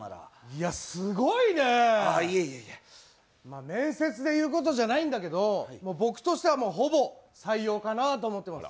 いや、すごいね、面接で言うことじゃないんだけど僕としては、ほぼ採用かなと思ってます。